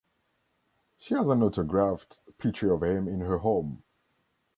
She has an autographed picture of him in her home.